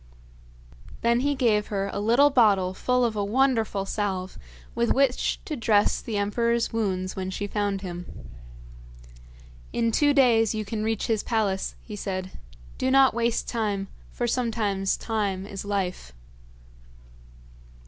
Then he gave her a little bottle full of a wonderful salve with which to dress the emperor's wounds when she found him. 'In two days you can reach his palace,' he said. 'Do not waste time, for sometimes time is life.'